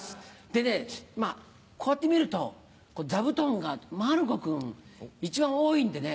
でねこうやって見ると座布団が馬るこ君一番多いんでね